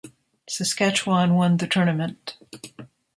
Saskatchewan won the tournament.